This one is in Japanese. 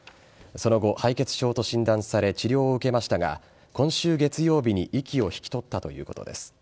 その後、敗血症と診断され治療を受けましたが今週月曜日に息を引き取ったということです。